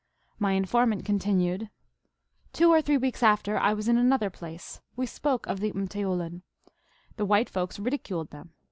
My informant continued :" Two or three weeks after I was in another place. We spoke of the mteoulin. The white folks ridi culed them.